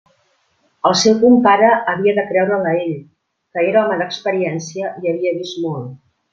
El seu compare havia de creure'l a ell, que era home d'experiència i havia vist molt.